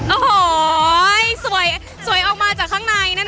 โอ้โหสวยสวยออกมาจากข้างในนั่นเอง